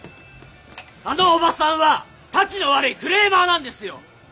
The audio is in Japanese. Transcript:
あのおばさんはタチの悪いクレーマーなんですよ。